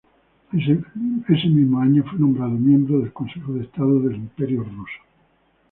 El mismo año, fue nombrado miembro del Consejo de Estado del Imperio ruso.